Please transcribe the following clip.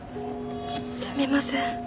すみません。